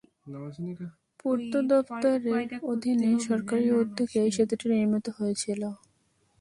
পূর্ত দফতরের অধীনে সরকারি উদ্যোগে এই সেতুটি নির্মিত হয়েছিল।